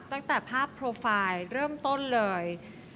ตั้งแต่ภาพโปรไฟล์เริ่มต้นเลย